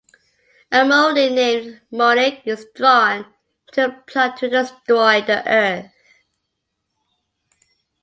A moldie named Monique is drawn into a plot to destroy the Earth.